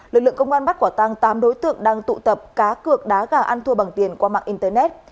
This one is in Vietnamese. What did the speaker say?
lực lượng công an bắt quả tăng tám đối tượng đang tụ tập cá cược đá gà ăn thua bằng tiền qua mạng internet